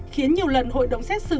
khiến nhiều lần hội đồng xét xử